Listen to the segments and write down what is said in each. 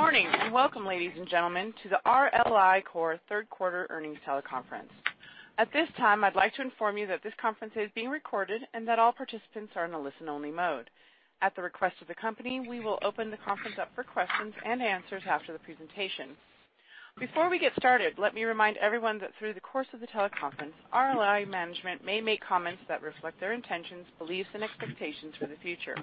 Good morning, and welcome, ladies and gentlemen, to the RLI Corp. third quarter earnings teleconference. At this time, I'd like to inform you that this conference is being recorded and that all participants are in a listen-only mode. At the request of the company, we will open the conference up for questions and answers after the presentation. Before we get started, let me remind everyone that through the course of the teleconference, RLI management may make comments that reflect their intentions, beliefs, and expectations for the future.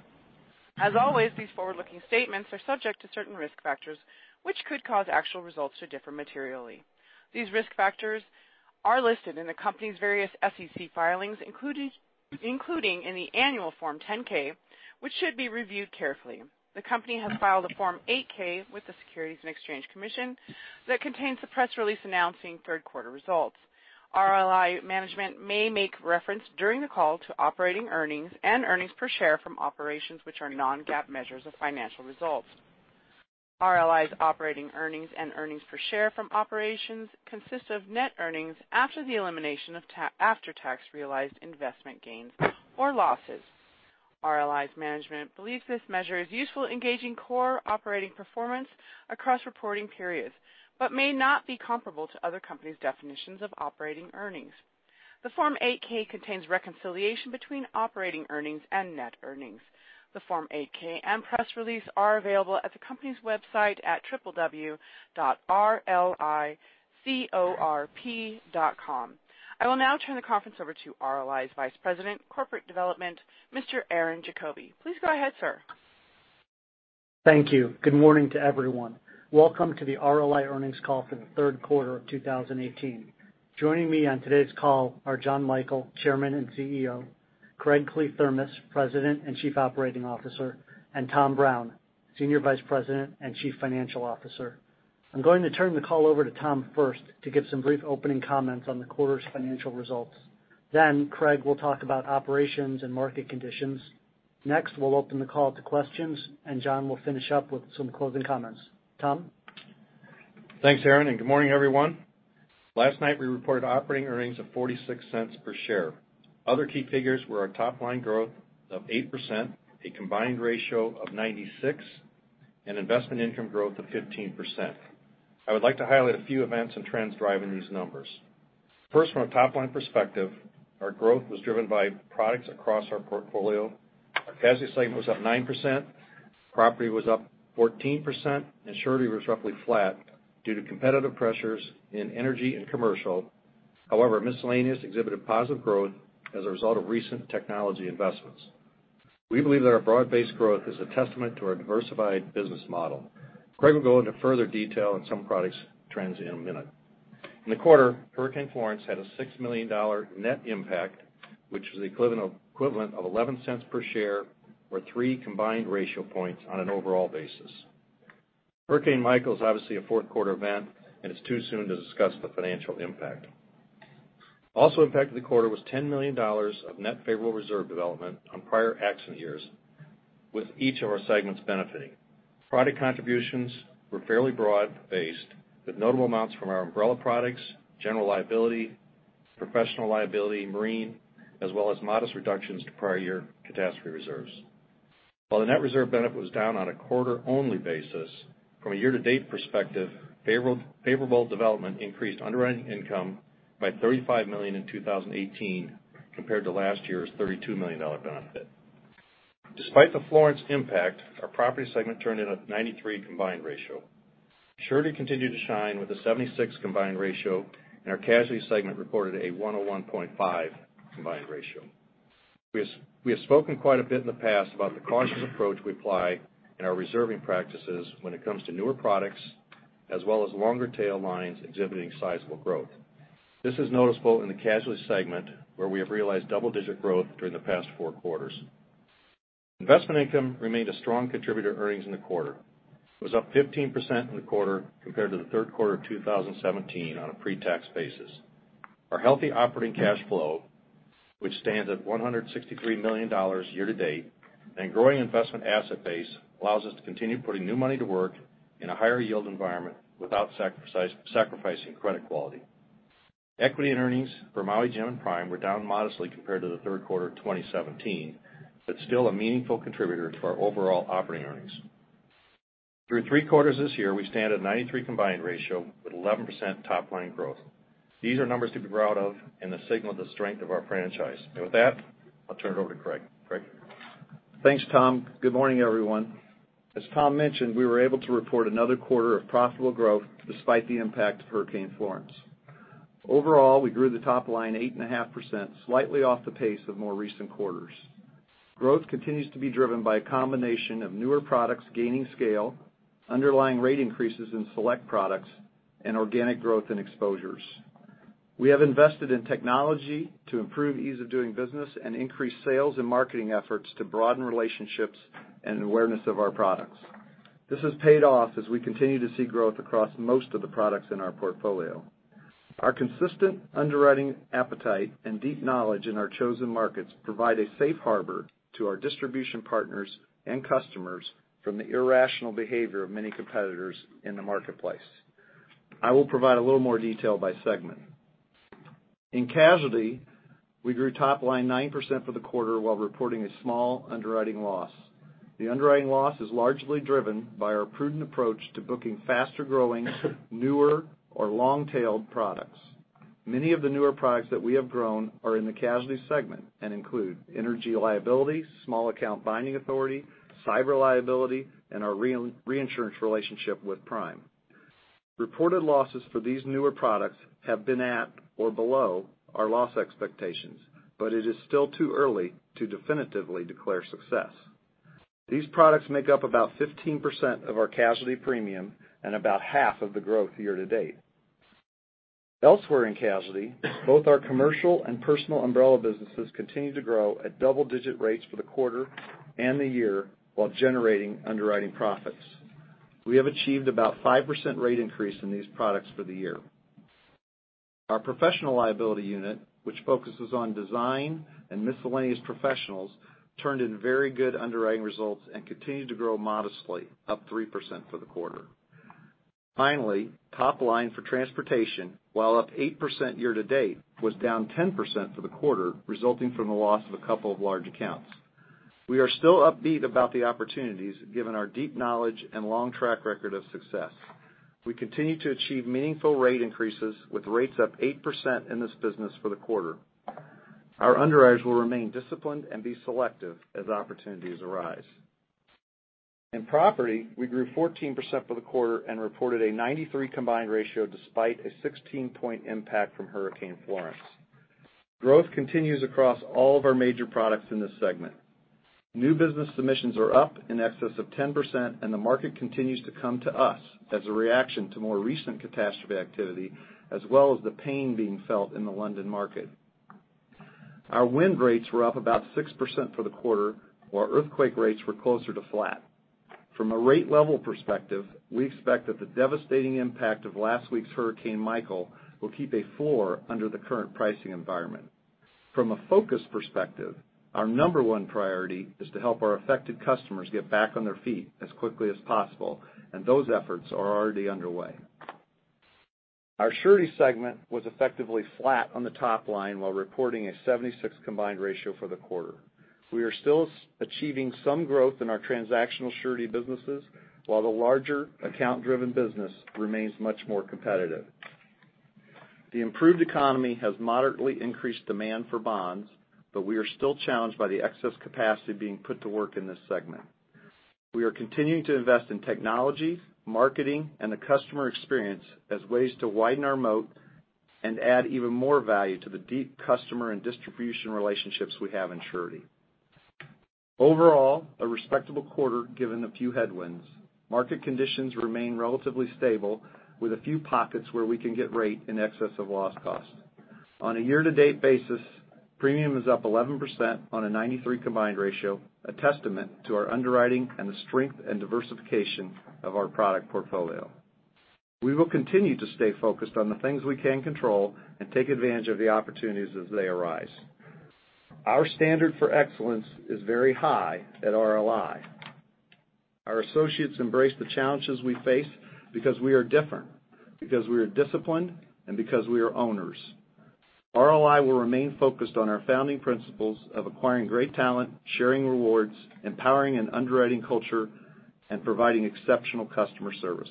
As always, these forward-looking statements are subject to certain risk factors, which could cause actual results to differ materially. These risk factors are listed in the company's various SEC filings, including in the annual Form 10-K, which should be reviewed carefully. The company has filed a Form 8-K with the Securities and Exchange Commission that contains the press release announcing third quarter results. RLI management may make reference during the call to operating earnings and earnings per share from operations which are non-GAAP measures of financial results. RLI's operating earnings and earnings per share from operations consist of net earnings after the elimination of after-tax realized investment gains or losses. RLI's management believes this measure is useful in gauging core operating performance across reporting periods but may not be comparable to other companies' definitions of operating earnings. The Form 8-K contains reconciliation between operating earnings and net earnings. The Form 8-K and press release are available at the company's website at www.rlicorp.com. I will now turn the conference over to RLI's Vice President, Corporate Development, Mr. Aaron Diefenthaler. Please go ahead, sir. Thank you. Good morning to everyone. Welcome to the RLI earnings call for the third quarter of 2018. Joining me on today's call are Jonathan Michael, Chairman and CEO, Craig Kliethermes, President and Chief Operating Officer, and Tom Brown, Senior Vice President and Chief Financial Officer. I'm going to turn the call over to Tom first to give some brief opening comments on the quarter's financial results. Craig will talk about operations and market conditions. Next, we'll open the call to questions, and John will finish up with some closing comments. Tom? Thanks, Aaron, and good morning, everyone. Last night we reported operating earnings of $0.46 per share. Other key figures were our top line growth of 8%, a combined ratio of 96, and investment income growth of 15%. I would like to highlight a few events and trends driving these numbers. First, from a top-line perspective, our growth was driven by products across our portfolio. Our casualty segment was up 9%, property was up 14%, and surety was roughly flat due to competitive pressures in energy and commercial. However, miscellaneous exhibited positive growth as a result of recent technology investments. We believe that our broad-based growth is a testament to our diversified business model. Craig will go into further detail on some products trends in a minute. In the quarter, Hurricane Florence had a $6 million net impact, which was the equivalent of $0.11 per share or three combined ratio points on an overall basis. Hurricane Michael is obviously a fourth quarter event, it's too soon to discuss the financial impact. Also impacting the quarter was $10 million of net favorable reserve development on prior accident years, with each of our segments benefiting. Product contributions were fairly broad-based, with notable amounts from our umbrella products, general liability, professional liability, marine, as well as modest reductions to prior year catastrophe reserves. While the net reserve benefit was down on a quarter-only basis, from a year-to-date perspective, favorable development increased underwriting income by $35 million in 2018 compared to last year's $32 million benefit. Despite the Florence impact, our Property segment turned in a 93 combined ratio. Surety continued to shine with a 76 combined ratio, our Casualty segment reported a 101.5 combined ratio. We have spoken quite a bit in the past about the cautious approach we apply in our reserving practices when it comes to newer products, as well as longer tail lines exhibiting sizable growth. This is noticeable in the Casualty segment, where we have realized double-digit growth during the past four quarters. Investment income remained a strong contributor to earnings in the quarter. It was up 15% in the quarter compared to the third quarter of 2017 on a pre-tax basis. Our healthy operating cash flow, which stands at $163 million year to date, and growing investment asset base allows us to continue putting new money to work in a higher yield environment without sacrificing credit quality. Equity and earnings for Maui Jim and Prime were down modestly compared to the third quarter of 2017, but still a meaningful contributor to our overall operating earnings. Through three quarters this year, we stand at a 93 combined ratio with 11% top-line growth. These are numbers to be proud of and they signal the strength of our franchise. With that, I'll turn it over to Craig. Craig? Thanks, Tom. Good morning, everyone. As Tom mentioned, we were able to report another quarter of profitable growth despite the impact of Hurricane Florence. Overall, we grew the top line 8.5%, slightly off the pace of more recent quarters. Growth continues to be driven by a combination of newer products gaining scale, underlying rate increases in select products, and organic growth in exposures. We have invested in technology to improve ease of doing business and increase sales and marketing efforts to broaden relationships and awareness of our products. This has paid off as we continue to see growth across most of the products in our portfolio. Our consistent underwriting appetite and deep knowledge in our chosen markets provide a safe harbor to our distribution partners and customers from the irrational behavior of many competitors in the marketplace. I will provide a little more detail by segment. In casualty, we grew top line 9% for the quarter while reporting a small underwriting loss. The underwriting loss is largely driven by our prudent approach to booking faster-growing, newer, or long-tailed products. Many of the newer products that we have grown are in the casualty segment and include energy liabilities, small account binding authority, cyber liability, and our reinsurance relationship with Prime. Reported losses for these newer products have been at or below our loss expectations, but it is still too early to definitively declare success. These products make up about 15% of our casualty premium and about half of the growth year-to-date. Elsewhere in casualty, both our commercial and personal umbrella businesses continue to grow at double-digit rates for the quarter and the year while generating underwriting profits. We have achieved about 5% rate increase in these products for the year. Our professional liability unit, which focuses on design and miscellaneous professionals, turned in very good underwriting results and continued to grow modestly, up 3% for the quarter. Top line for transportation, while up 8% year-to-date, was down 10% for the quarter, resulting from the loss of a couple of large accounts. We are still upbeat about the opportunities given our deep knowledge and long track record of success. We continue to achieve meaningful rate increases with rates up 8% in this business for the quarter. Our underwriters will remain disciplined and be selective as opportunities arise. In property, we grew 14% for the quarter and reported a 93 combined ratio despite a 16-point impact from Hurricane Florence. Growth continues across all of our major products in this segment. New business submissions are up in excess of 10% and the market continues to come to us as a reaction to more recent catastrophe activity, as well as the pain being felt in the London market. Our wind rates were up about 6% for the quarter, while earthquake rates were closer to flat. From a rate level perspective, we expect that the devastating impact of last week's Hurricane Michael will keep a floor under the current pricing environment. From a focus perspective, our number one priority is to help our affected customers get back on their feet as quickly as possible, and those efforts are already underway. Our surety segment was effectively flat on the top line while reporting a 76 combined ratio for the quarter. We are still achieving some growth in our transactional surety businesses, while the larger account-driven business remains much more competitive. The improved economy has moderately increased demand for bonds, but we are still challenged by the excess capacity being put to work in this segment. We are continuing to invest in technology, marketing, and the customer experience as ways to widen our moat and add even more value to the deep customer and distribution relationships we have in surety. Overall, a respectable quarter given a few headwinds. Market conditions remain relatively stable with a few pockets where we can get rate in excess of loss cost. On a year-to-date basis, premium is up 11% on a 93 combined ratio, a testament to our underwriting and the strength and diversification of our product portfolio. We will continue to stay focused on the things we can control and take advantage of the opportunities as they arise. Our standard for excellence is very high at RLI. Our associates embrace the challenges we face because we are different, because we are disciplined, and because we are owners. RLI will remain focused on our founding principles of acquiring great talent, sharing rewards, empowering an underwriting culture, and providing exceptional customer service.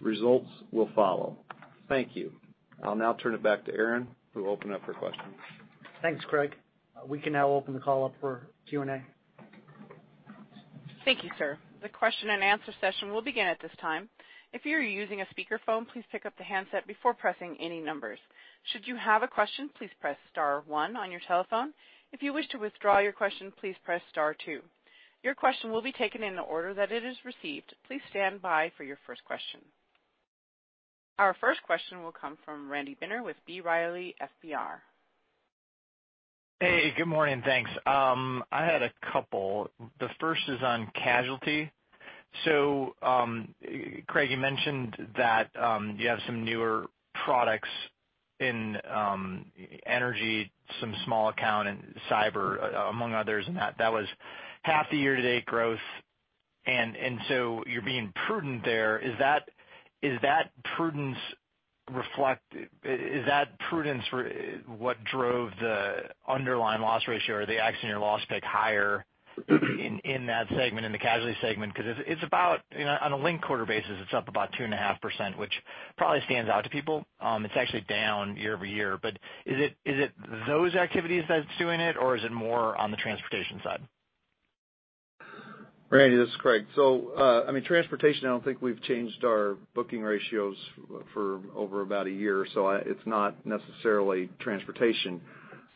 Results will follow. Thank you. I'll now turn it back to Aaron, who will open up for questions. Thanks, Craig. We can now open the call up for Q&A. Thank you, sir. The question and answer session will begin at this time. If you are using a speakerphone, please pick up the handset before pressing any numbers. Should you have a question, please press star one on your telephone. If you wish to withdraw your question, please press star two. Your question will be taken in the order that it is received. Please stand by for your first question. Our first question will come from Randy Binner with B. Riley FBR. Hey, good morning. Thanks. I had a couple. The first is on casualty. Craig, you mentioned that you have some newer products in energy, some small account, and cyber among others, and that was half the year-to-date growth, and so you're being prudent there. Is that prudence what drove the underlying loss ratio or the accident year loss pick higher in that segment, in the casualty segment? On a linked quarter basis, it's up about 2.5%, which probably stands out to people. It's actually down year-over-year. Is it those activities that's doing it or is it more on the transportation side? Randy, this is Craig. Transportation, I don't think we've changed our booking ratios for over about a year, it's not necessarily transportation.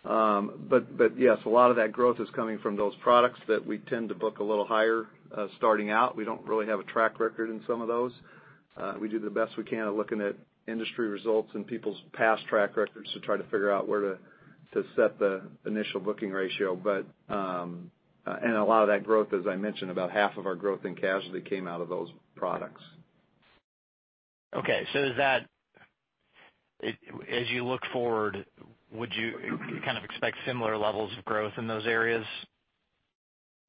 Yes, a lot of that growth is coming from those products that we tend to book a little higher starting out. We don't really have a track record in some of those. We do the best we can at looking at industry results and people's past track records to try to figure out where to set the initial booking ratio. A lot of that growth, as I mentioned, about half of our growth in casualty came out of those products. As you look forward, would you kind of expect similar levels of growth in those areas?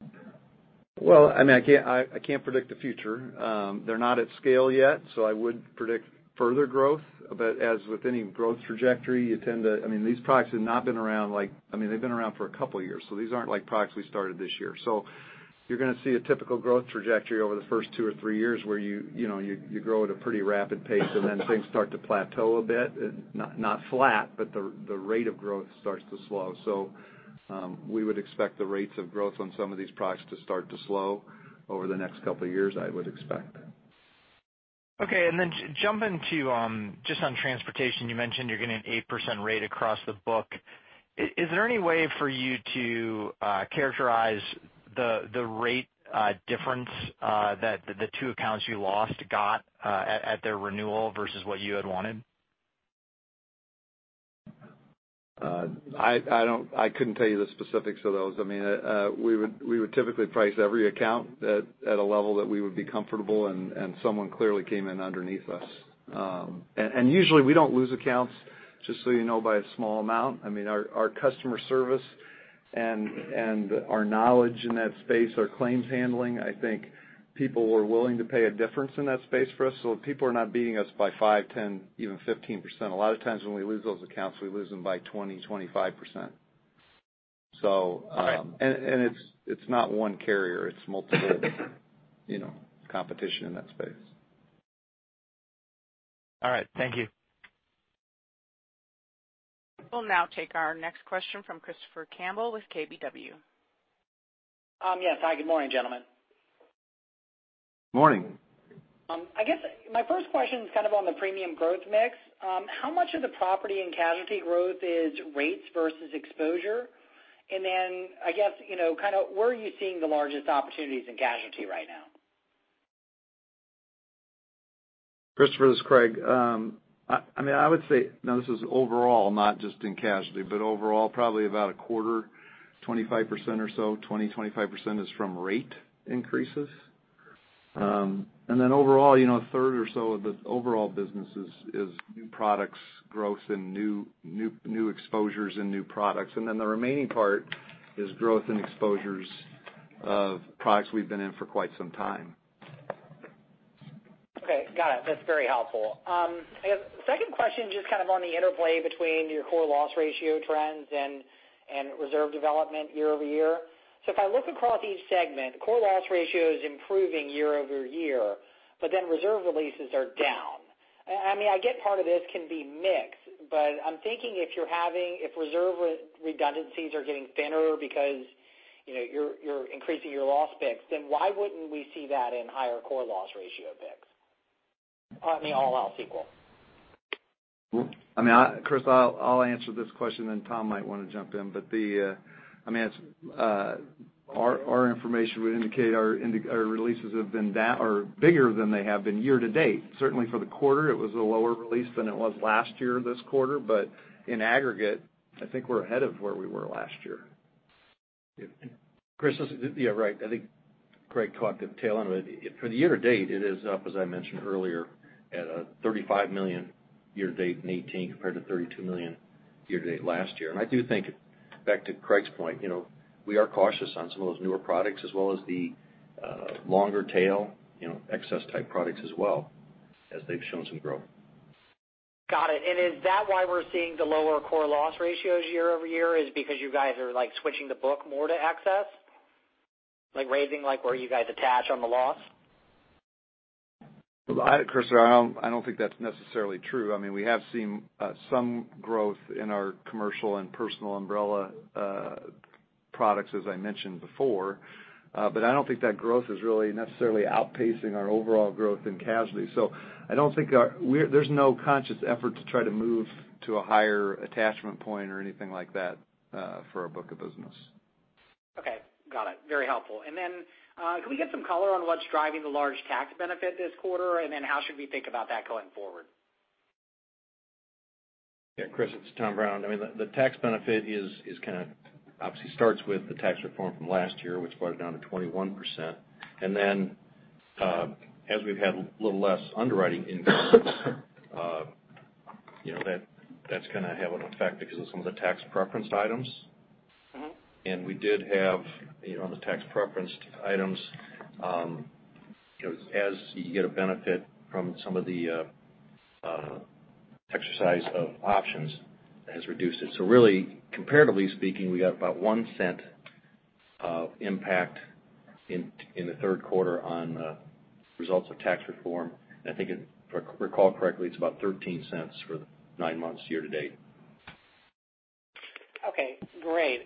I can't predict the future. They're not at scale yet, I would predict further growth. As with any growth trajectory, these products have not been around, they've been around for a couple of years, these aren't products we started this year. You're going to see a typical growth trajectory over the first two or three years where you grow at a pretty rapid pace, and then things start to plateau a bit. Not flat, but the rate of growth starts to slow. We would expect the rates of growth on some of these products to start to slow over the next couple of years, I would expect. Jumping to just on transportation, you mentioned you're getting an 8% rate across the book. Is there any way for you to characterize the rate difference that the two accounts you lost got at their renewal versus what you had wanted? I couldn't tell you the specifics of those. We would typically price every account at a level that we would be comfortable, someone clearly came in underneath us. Usually, we don't lose accounts, just so you know, by a small amount. Our customer service and our knowledge in that space, our claims handling, I think people were willing to pay a difference in that space for us. People are not beating us by 5%, 10%, even 15%. A lot of times, when we lose those accounts, we lose them by 20%, 25%. All right. It's not one carrier. It's multiple competition in that space. All right. Thank you. We'll now take our next question from C. Gregory Peters with KBW. Yes. Hi, good morning, gentlemen. Morning. My first question's on the premium growth mix. How much of the property and casualty growth is rates versus exposure? Where are you seeing the largest opportunities in casualty right now? Christopher, this is Craig. I would say, now this is overall, not just in casualty, but overall, probably about a quarter, 25% or so, 20%-25% is from rate increases. Overall, a third or so of the overall business is new products growth and new exposures in new products. The remaining part is growth in exposures of products we've been in for quite some time. Okay. Got it. That's very helpful. I have a second question just on the interplay between your core loss ratio trends and reserve development year-over-year. If I look across each segment, core loss ratio is improving year-over-year, but then reserve releases are down. I get part of this can be mix, but I'm thinking if reserve redundancies are getting thinner because you're increasing your loss picks, then why wouldn't we see that in higher core loss ratio picks? All else equal. Chris, I'll answer this question, then Tom might want to jump in. Our information would indicate our releases have been bigger than they have been year-to-date. Certainly for the quarter, it was a lower release than it was last year this quarter. In aggregate, I think we're ahead of where we were last year. Chris, yeah, right. I think Craig talked at the tail end of it. For the year-to-date, it is up, as I mentioned earlier, at a $35 million year-to-date in 2018 compared to $32 million year-to-date last year. I do think, back to Craig's point, we are cautious on some of those newer products as well as the longer tail excess type products as well, as they've shown some growth. Got it. Is that why we're seeing the lower core loss ratios year-over-year, is because you guys are switching the book more to excess? Like raising where you guys attach on the loss? Christopher, I don't think that's necessarily true. We have seen some growth in our commercial and personal umbrella products, as I mentioned before. I don't think that growth is really necessarily outpacing our overall growth in casualty. There's no conscious effort to try to move to a higher attachment point or anything like that for our book of business. Okay. Got it. Very helpful. Can we get some color on what's driving the large tax benefit this quarter, and then how should we think about that going forward? Yeah, Chris, it's Tom Brown. The tax benefit obviously starts with the tax reform from last year, which brought it down to 21%. As we've had a little less underwriting income, that's going to have an effect because of some of the tax preference items. We did have on the tax preference items, as you get a benefit from some of the exercise of options has reduced it. Really, comparatively speaking, we got about $0.01 of impact in the third quarter on results of tax reform. I think if I recall correctly, it's about $0.13 for the nine months year to date. Okay. Great.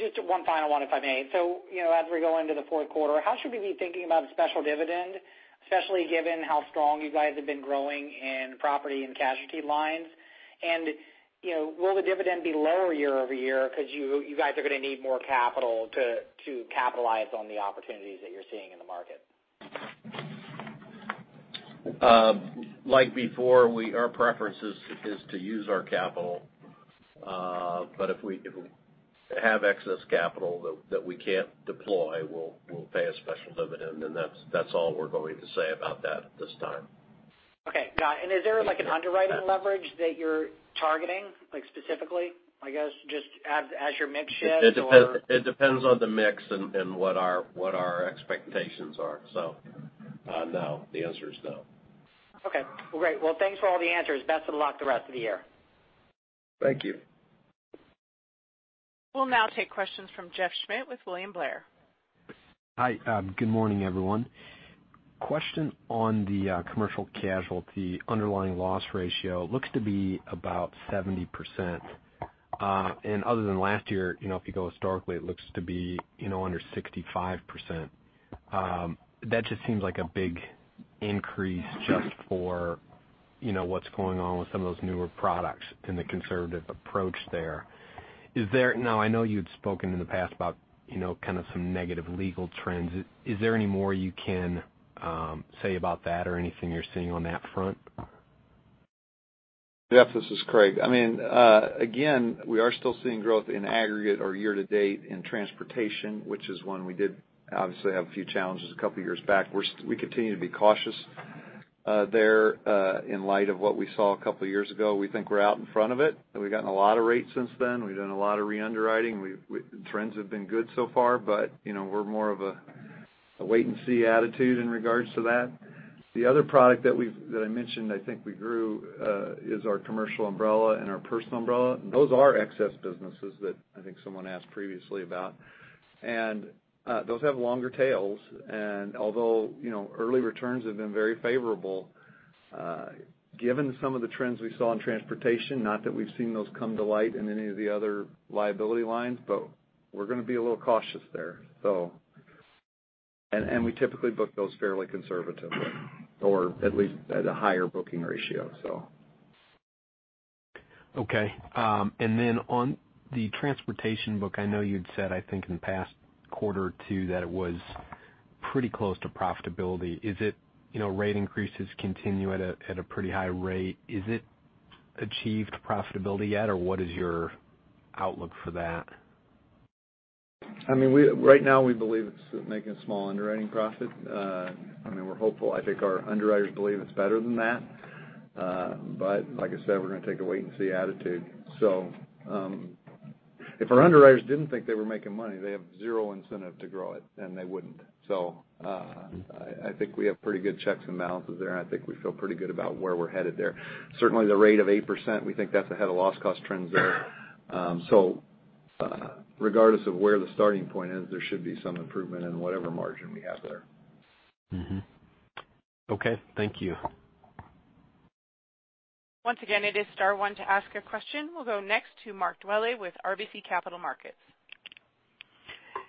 Just one final one, if I may. As we go into the fourth quarter, how should we be thinking about a special dividend, especially given how strong you guys have been growing in property and casualty lines? Will the dividend be lower year-over-year because you guys are going to need more capital to capitalize on the opportunities that you're seeing in the market? Like before, our preference is to use our capital. If we have excess capital that we can't deploy, we'll pay a special dividend, and that's all we're going to say about that at this time. Okay, got it. Is there an underwriting leverage that you're targeting specifically, I guess, just as your mix shifts or- It depends on the mix and what our expectations are. No. The answer is no. Okay. Great. Well, thanks for all the answers. Best of luck the rest of the year. Thank you. We'll now take questions from Jeff Schmitt with William Blair. Hi, good morning, everyone. Question on the commercial casualty underlying loss ratio. Looks to be about 70%. Other than last year, if you go historically, it looks to be under 65%. That just seems like a big increase just for what's going on with some of those newer products and the conservative approach there. Now, I know you'd spoken in the past about some negative legal trends. Is there any more you can say about that or anything you're seeing on that front? Jeff, this is Craig. We are still seeing growth in aggregate or year to date in transportation, which is one we did obviously have a few challenges a couple of years back. We continue to be cautious there, in light of what we saw a couple of years ago. We think we're out in front of it. We've gotten a lot of rates since then. We've done a lot of re-underwriting. Trends have been good so far, we're more of a wait and see attitude in regards to that. The other product that I mentioned I think we grew, is our commercial umbrella and our personal umbrella. Those are excess businesses that I think someone asked previously about. Those have longer tails, although early returns have been very favorable, given some of the trends we saw in transportation, not that we've seen those come to light in any of the other liability lines, we're going to be a little cautious there. We typically book those fairly conservatively or at least at a higher booking ratio. Okay. On the transportation book, I know you'd said, I think in the past quarter or two, that it was pretty close to profitability. Rate increases continue at a pretty high rate. Is it achieved profitability yet, or what is your outlook for that? Right now, we believe it's making a small underwriting profit. We're hopeful. I think our underwriters believe it's better than that. Like I said, we're going to take a wait and see attitude. If our underwriters didn't think they were making money, they have zero incentive to grow it, and they wouldn't. I think we have pretty good checks and balances there, I think we feel pretty good about where we're headed there. Certainly, the rate of 8%, we think that's ahead of loss cost trends there. Regardless of where the starting point is, there should be some improvement in whatever margin we have there. Mm-hmm. Okay. Thank you. Once again, it is star one to ask a question. We'll go next to Mark Dwelle with RBC Capital Markets.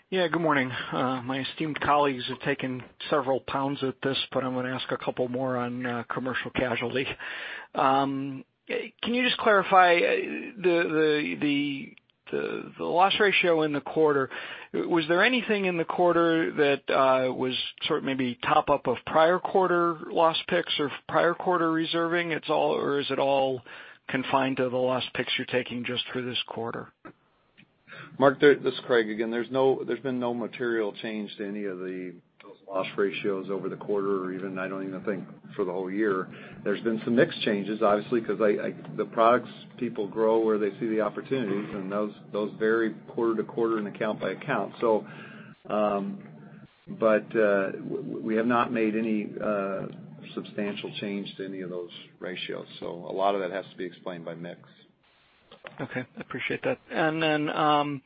Yeah, good morning. My esteemed colleagues have taken several pounds at this, but I'm going to ask a couple more on commercial casualty. Can you just clarify the loss ratio in the quarter? Was there anything in the quarter that was maybe top up of prior quarter loss picks or prior quarter reserving at all, or is it all confined to the loss picks you're taking just for this quarter? Mark, this is Craig again. There's been no material change to any of those loss ratios over the quarter or even, I don't even think for the whole year. There's been some mix changes, obviously, because the products people grow where they see the opportunities, and those vary quarter-to-quarter and account by account. We have not made any substantial change to any of those ratios. A lot of that has to be explained by mix. Okay. Appreciate that.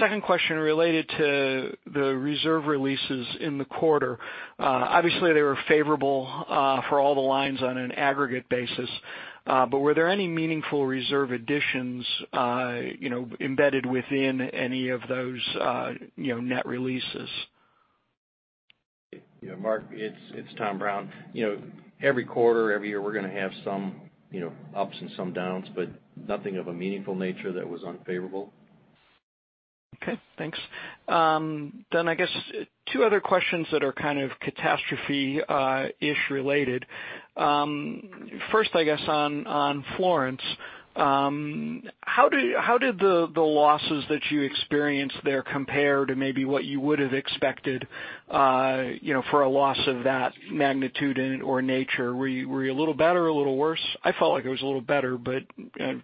Second question related to the reserve releases in the quarter. Obviously, they were favorable for all the lines on an aggregate basis. Were there any meaningful reserve additions embedded within any of those net releases? Mark, it's Tom Brown. Every quarter, every year, we're going to have some ups and some downs, but nothing of a meaningful nature that was unfavorable. Okay, thanks. I guess two other questions that are kind of catastrophe-ish related. First, I guess on Florence, how did the losses that you experienced there compare to maybe what you would have expected for a loss of that magnitude or nature? Were you a little better or a little worse? I felt like it was a little better, but I'm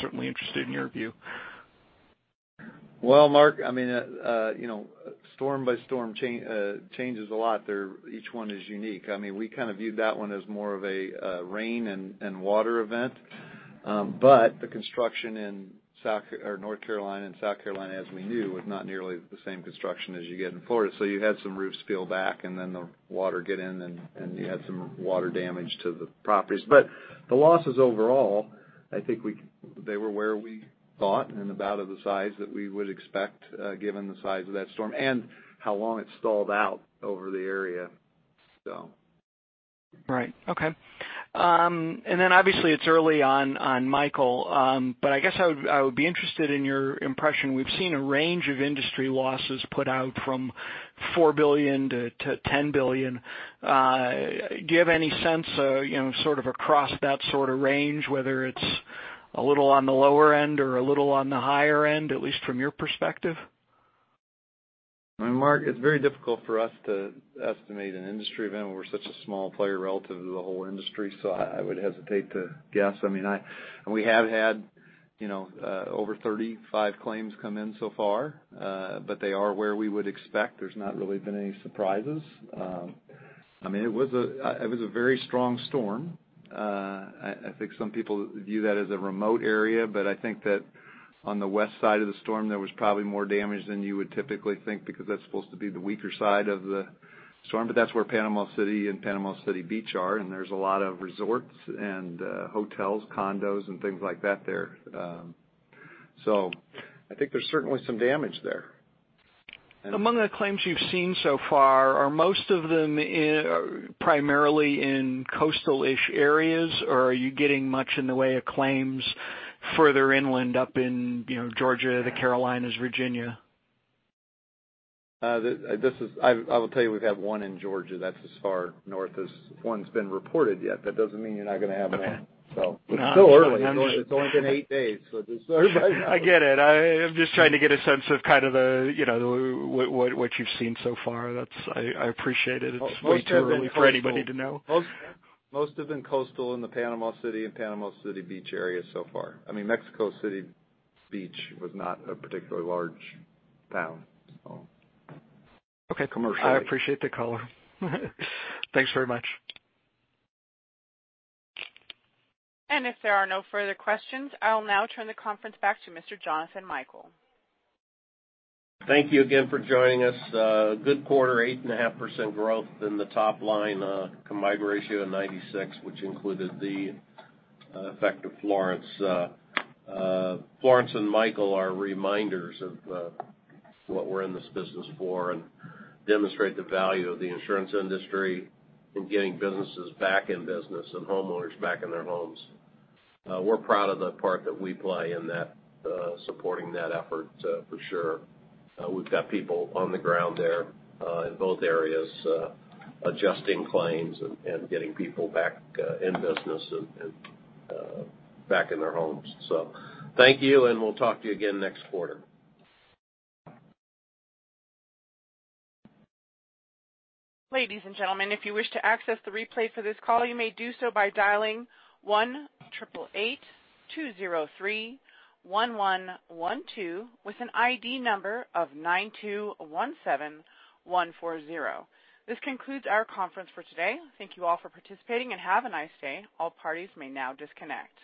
certainly interested in your view. Well, Mark, storm by storm changes a lot. Each one is unique. We viewed that one as more of a rain and water event. The construction in North Carolina and South Carolina, as we knew, was not nearly the same construction as you get in Florida, so you had some roofs peel back and then the water get in and you had some water damage to the properties. The losses overall, I think they were where we thought and about of the size that we would expect given the size of that storm and how long it stalled out over the area. Right. Okay. Obviously it's early on Hurricane Michael, but I guess I would be interested in your impression. We've seen a range of industry losses put out from $4 billion-$10 billion. Do you have any sense, across that sort of range, whether it's a little on the lower end or a little on the higher end, at least from your perspective? Mark, it's very difficult for us to estimate an industry event when we're such a small player relative to the whole industry. I would hesitate to guess. We have had over 35 claims come in so far, but they are where we would expect. There's not really been any surprises. It was a very strong storm. I think some people view that as a remote area, but I think that on the west side of the storm, there was probably more damage than you would typically think because that's supposed to be the weaker side of the storm. That's where Panama City and Panama City Beach are, and there's a lot of resorts and hotels, condos, and things like that there. I think there's certainly some damage there. Among the claims you've seen so far, are most of them primarily in coastal-ish areas, or are you getting much in the way of claims further inland up in Georgia, the Carolinas, Virginia? I will tell you, we've had one in Georgia. That's as far north as one's been reported yet. That doesn't mean you're not going to have more. It's still early. It's only been eight days. It's very early. I get it. I'm just trying to get a sense of what you've seen so far. I appreciate it. It's way too early for anybody to know. Most have been coastal in the Panama City and Panama City Beach area so far. Mexico Beach was not a particularly large town, so commercially. Okay. I appreciate the call. Thanks very much. If there are no further questions, I will now turn the conference back to Mr. Jonathan Michael. Thank you again for joining us. Good quarter, 8.5% growth in the top line, combined ratio of 96, which included the effect of Florence. Florence and Michael are reminders of what we're in this business for and demonstrate the value of the insurance industry in getting businesses back in business and homeowners back in their homes. We're proud of the part that we play in supporting that effort, for sure. We've got people on the ground there in both areas, adjusting claims and getting people back in business and back in their homes. Thank you, and we'll talk to you again next quarter. Ladies and gentlemen, if you wish to access the replay for this call, you may do so by dialing 1-888-203-1112 with an ID number of 9217140. This concludes our conference for today. Thank you all for participating and have a nice day. All parties may now disconnect.